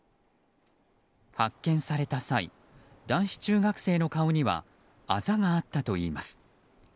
発見された際男子中学生の顔にはあざがあったといいます。